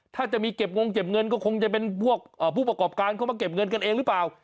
ถ้าจะมีเก็บงงเก็บเงินก็คงจะเป็นพวกผู้ประกอบการเข้ามาเก็บเงินกันเองหรือเปล่า